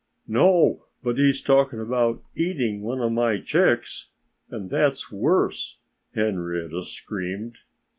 "No! But he's talking about eating one of my chicks! And that's worse," Henrietta screamed.